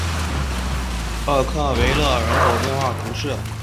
厄克维勒人口变化图示